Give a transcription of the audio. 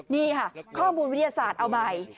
นี่ค่ะข้อมูลวิทยาศาสตร์เอาใหม่